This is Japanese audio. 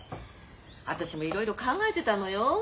私もいろいろ考えてたのよ。